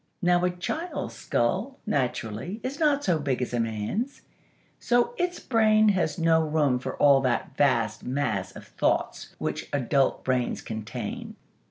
Now a child's skull, naturally, is not so big as a man's; so its brain has no room for all that vast mass of thoughts which adult brains contain.